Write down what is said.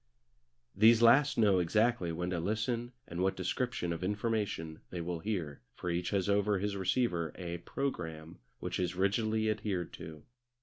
These last know exactly when to listen and what description of information they will hear, for each has over his receiver a programme which is rigidly adhered to.